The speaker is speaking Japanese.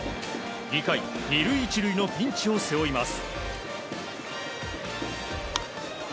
２回２塁１塁のピンチを背負います。